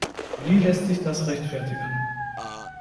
Wie lässt sich das rechtfertigen?